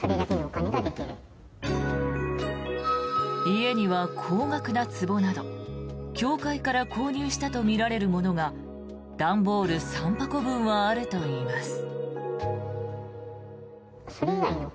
家には高額なつぼなど教会から購入したとみられるものが段ボール３箱分はあるといいます。